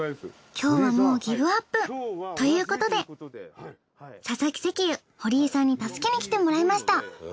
今日はもうギブアップ。ということでササキ石油堀井さんに助けに来てもらいました。